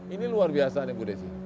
ini luar biasa nih bu desi